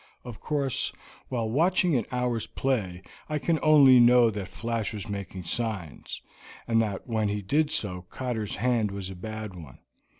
Of course, while watching an hour's play I can only know that Flash was making signs, and that when he did so Cotter's hand was a bad one.